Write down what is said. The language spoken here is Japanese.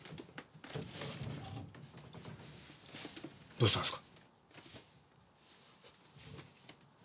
どうしたんですか？